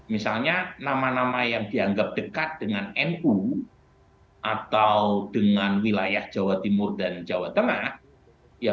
misalnya nama nama yang dianggap dekat dengan nu atau dengan wilayah jawa timur dan jawa tengah